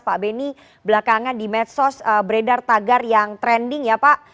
pak beni belakangan di medsos beredar tagar yang trending ya pak